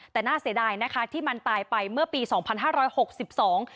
แต่น่าเสียดายนะคะที่มันตายไปเมื่อปีสองพันห้าร้อยหกสิบสอง